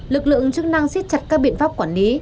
lực lượng chức năng xích chặt các biện pháp quản lý